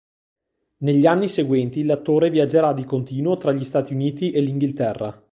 Negli anni seguenti l'attore viaggerà di continuo tra gli Stati Uniti e l'Inghilterra.